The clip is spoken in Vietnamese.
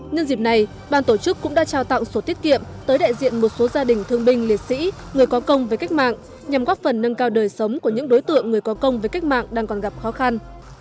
nhân dịp này ban tổ chức cũng đã trao tặng sổ tiết kiệm tới đại diện một số gia đình thương binh liệt sĩ người có công với cách mạng nhằm góp phần nâng cao đời sống của những đối tượng người có công với cách mạng đang còn gặp khó khăn